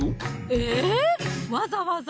えぇっわざわざ？